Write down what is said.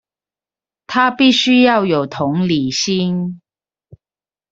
它必須要有同理心